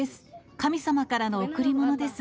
神様からの贈り物です。